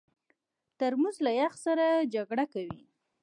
ترموز له یخ سره جګړه کوي.